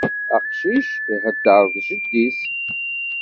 Aqcic ihedder d jeddi-s.